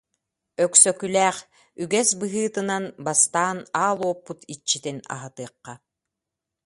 Өксөкүлээх: «Үгэс быһыытынан бастаан аал уоппут иччитин аһатыахха